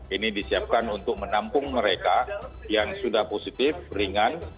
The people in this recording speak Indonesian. ini disiapkan untuk menampung mereka yang sudah positif ringan